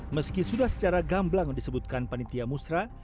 meski sudah secara gamblang disebutkan panitia musra